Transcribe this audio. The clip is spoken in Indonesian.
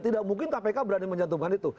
tidak mungkin kpk berani menjatuhkan itu